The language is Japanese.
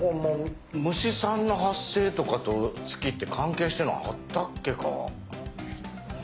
虫さんの発生とかと月って関係してるのあったっけか。